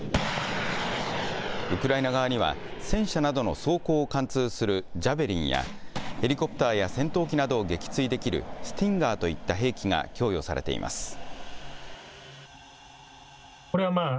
ウクライナ側には戦車などの装甲を貫通するジャベリンやヘリコプターや戦闘機などを撃墜できるスティンガーといった兵器が供与されています。